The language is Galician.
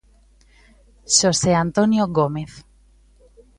Xosé Antonio Gómez.